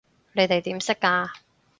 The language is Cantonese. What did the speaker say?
你哋點識㗎？